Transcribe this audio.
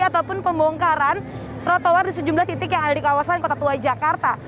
ataupun pembongkaran trotoar di sejumlah titik yang ada di kawasan kota tua jakarta